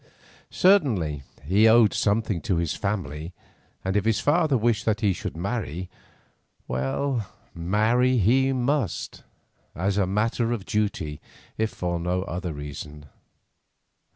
Certainly he owed something to his family, and if his father wished that he should marry, well, marry he must, as a matter of duty, if for no other reason.